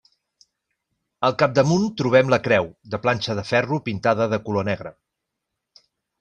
Al capdamunt trobem la creu, de planxa de ferro pintada de color negre.